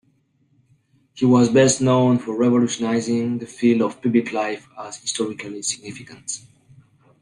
He was best known for revolutionizing the field of public life as historically significant.